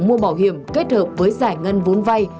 mua bảo hiểm kết hợp với giải ngân vốn vay